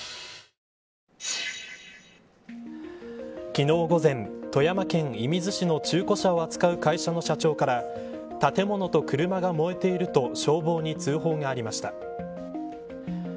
昨日午前、富山県射水市の中古車を扱う会社の社長から建物と車が燃えていると消防に通報がありました。